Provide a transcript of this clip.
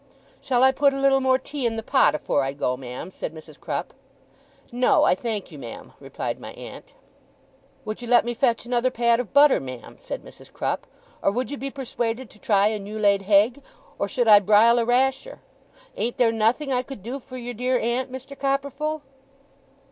'Shall I put a little more tea in the pot afore I go, ma'am?' said Mrs. Crupp. 'No, I thank you, ma'am,' replied my aunt. 'Would you let me fetch another pat of butter, ma'am?' said Mrs. Crupp. 'Or would you be persuaded to try a new laid hegg? or should I brile a rasher? Ain't there nothing I could do for your dear aunt, Mr. Copperfull?